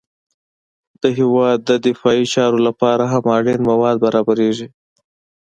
د هېواد د دفاعي چارو لپاره هم اړین مواد برابریږي